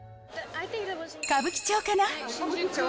歌舞伎町かな。